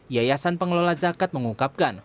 yayasan pengelola zakat mengungkapkan